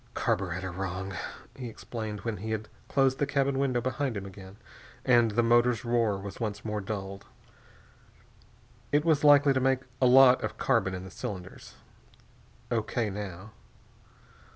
"Carburetter wrong," he explained when he had closed the cabin window behind him again and the motors' roar was once more dulled. "It was likely to make a lot of carbon in the cylinders. O.K., now."